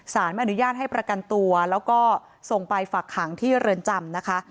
สารไม่อนุญาตให้ประกันตัวแล้วก็ส่งไปฝักขังที่เรือนจำนะคะ